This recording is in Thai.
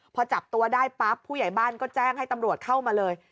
พอจับตัวได้ปั๊บผู้ใหญ่บ้านก็แจ้งให้ตำรวจเข้ามาเลย